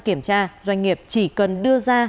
kiểm tra doanh nghiệp chỉ cần đưa ra